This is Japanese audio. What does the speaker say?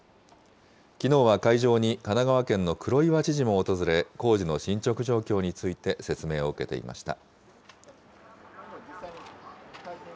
きのうは会場に神奈川県の黒岩知事も訪れ、工事の進捗状況について、説明を受けていました。